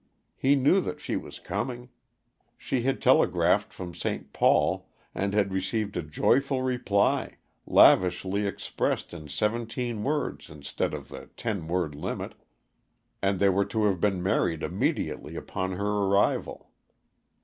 He knew that she was coming. She had telegraphed from St. Paul, and had received a joyful reply, lavishly expressed in seventeen words instead of the ten word limit. And they were to have been married immediately upon her arrival.